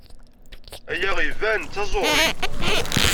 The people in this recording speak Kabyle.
Aya iban d taẓuṛi.